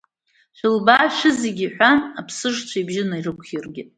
Шәылбаа шәызегьы, — иҳәан, аԥсыжцәа ибжьы нарықәиргеит.